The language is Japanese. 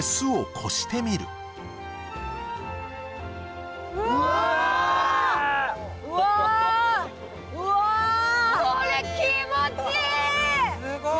これ気持ちいいー！